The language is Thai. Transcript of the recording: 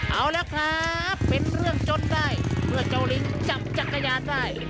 เอาละครับเป็นเรื่องจนได้เมื่อเจ้าลิงจับจักรยานได้